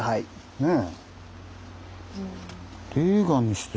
ねえ。